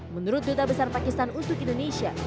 menurut duta besar pakistan untuk indonesia